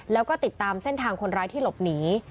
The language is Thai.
แล้วก็ติดตามเส้นทางคนร้ายที่หลบหนี